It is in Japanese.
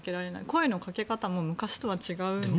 声のかけ方も昔とは違うんです。